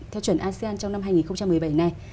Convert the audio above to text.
theo chuẩn asean trong năm hai nghìn một mươi bảy này